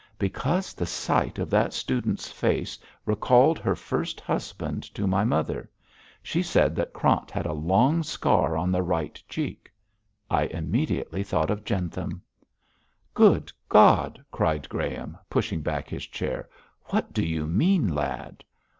'Because the sight of that student's face recalled her first husband to my mother. She said that Krant had a long scar on the right cheek. I immediately thought of Jentham.' 'Good God!' cried Graham, pushing back his chair. 'What do you mean, lad?'